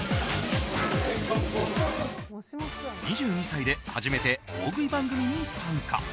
２２歳で初めて大食い番組に参加。